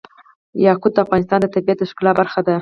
یاقوت د افغانستان د طبیعت د ښکلا برخه ده.